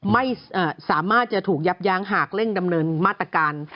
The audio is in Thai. ไม่สามารถจะถูกยับยั้งหากเร่งดำเนินมาตรการ